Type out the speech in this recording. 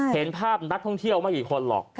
เห็นภาพนักท่องเที่ยวไม่กี่คนหรอก